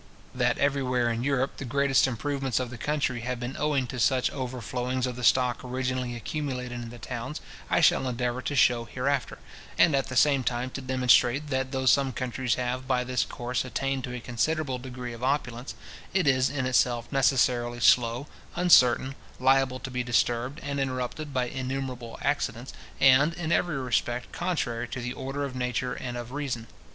That everywhere in Europe the greatest improvements of the country have been owing to such over flowings of the stock originally accumulated in the towns, I shall endeavour to shew hereafter, and at the same time to demonstrate, that though some countries have, by this course, attained to a considerable degree of opulence, it is in itself necessarily slow, uncertain, liable to be disturbed and interrupted by innumerable accidents, and, in every respect, contrary to the order of nature and of reason.